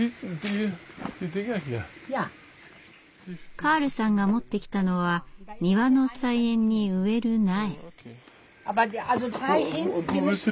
カールさんが持ってきたのは庭の菜園に植える苗。